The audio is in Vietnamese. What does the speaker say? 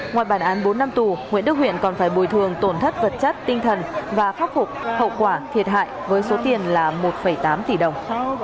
ngoài bản án bốn năm tù nguyễn đức huyện còn phải bồi thường tổn thất vật chất tinh thần và khắc phục hậu quả thiệt hại với số tiền là một tám tỷ đồng